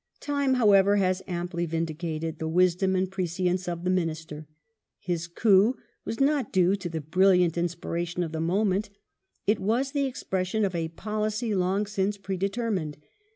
Time, however, has amply vindicated the wisdom and prescience of the Minister. His coiip was not due to the brilliant inspiration of the moment It was the expression of a policy long since predetermined.